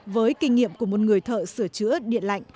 với kinh nghiệm của một người thợ sửa chữa điện lạnh